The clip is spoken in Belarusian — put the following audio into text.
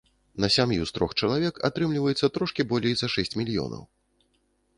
На сям'ю з трох чалавек атрымліваецца трошкі болей за шэсць мільёнаў.